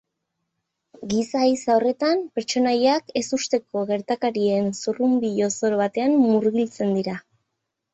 Giza ehiza horretan, pertsonaiak ezusteko gertakarien zurrunbilo zoro batean murgiltzen dira.